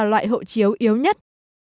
nó là loại hội chiếu yếu nhất